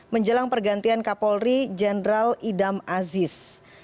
menjelang pergantian kapolri jenderal idam aziz